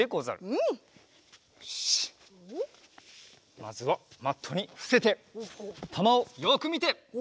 まずはマットにふせてたまをよくみて。